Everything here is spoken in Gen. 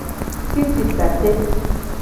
Cicisape.